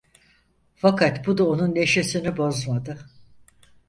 Fakat bu da onun neşesini bozmadı.